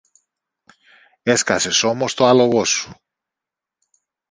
Έσκασες όμως το άλογο σου.